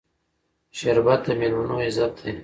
شربت د میلمنو عزت دی